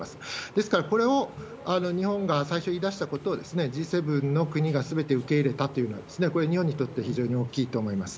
ですから、これを日本が最初言い出したことを、Ｇ７の国がすべて受け入れたというのは、これ、日本にとっては非常に大きいと思います。